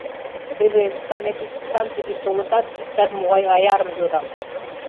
Теве санэпидстанций гыч толытат, иктаж-могай аярым йодам.